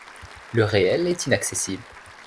Le réel est inaccessible.